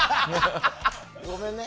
ごめんね。